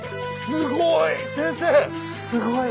すごい。